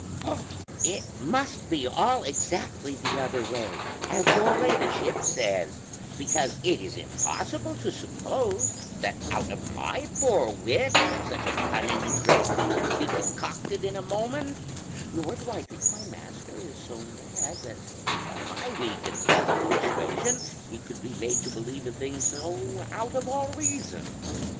It must be all exactly the other way, as your ladyship says; because it is impossible to suppose that out of my poor wit such a cunning trick could be concocted in a moment, nor do I think my master is so mad that by my weak and feeble persuasion he could be made to believe a thing so out of all reason.